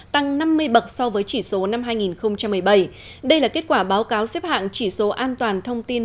tăng năm mươi bậc so với chỉ số năm hai nghìn một mươi bảy đây là kết quả báo cáo xếp hạng chỉ số an toàn thông tin